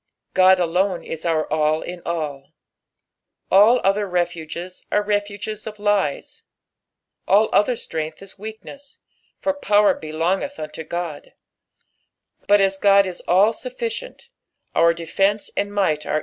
God alone is our all in all. All other refuges are refuges of lies, alt othnr strength is weakneaa, fur power belongcth unto Ood ; but as GoU is all sufBcient, our defence and 380 BZFOSniONB 07 THE PBAUtB.